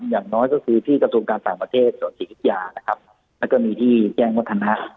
อย่างน้อยก็คือที่กระทรวงการสหรัฐประเทศสวทธิศยานะครับแล้วก็มีที่แจ้งวัฒนะ